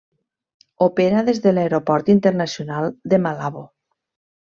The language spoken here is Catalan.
Opera des de l'Aeroport Internacional de Malabo.